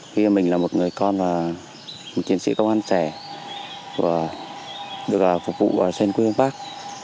khi mình là một người con và một chiến sĩ công an trẻ được phục vụ trên quê hương bắc